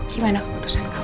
gimana keputusan kamu